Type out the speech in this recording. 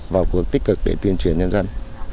vào cuộc tích cực để tuyên truyền nhân dân